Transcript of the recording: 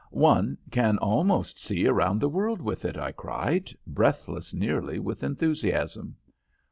"'One can almost see around the world with it,' I cried, breathless nearly with enthusiasm.